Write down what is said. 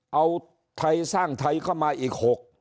เอาไทยสร้างไทยเข้ามาอีก๖